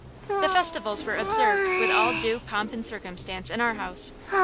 The festivals were observed with all due pomp and circumstance in our house.